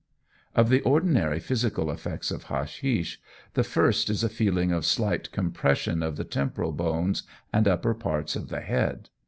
Of the ordinary physical effects of hashish, the first is a feeling of slight compression of the temporal bones and upper parts of the head.